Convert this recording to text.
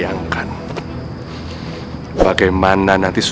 aku gak berhenti